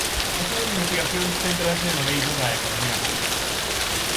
As súas investigacións céntranse no eido da economía pública.